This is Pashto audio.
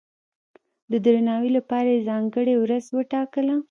د درناوي لپاره یې ځانګړې ورځ وټاکله.